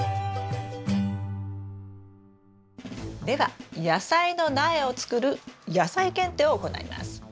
では野菜の苗を作るやさい検定を行います。